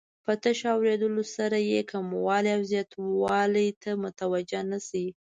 په تش اوریدلو سره یې کموالي او زیاتوالي ته متوجه نه شي.